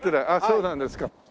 ああそうなんですか。